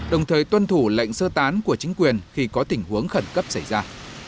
đồng thời tuân thủ lệnh sơ tán của chính quyền khi có tình huống khẩn cấp xảy ra